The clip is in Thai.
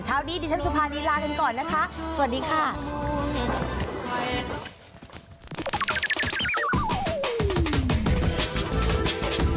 เช้านี้ดิฉันสุภานีลากันก่อนนะคะสวัสดีค่ะ